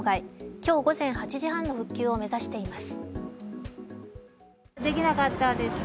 今日午前８時半の復旧を目指しています。